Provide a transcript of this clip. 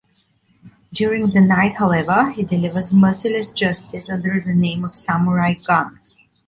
During the night, however, he delivers merciless justice under the name of "Samurai Gun".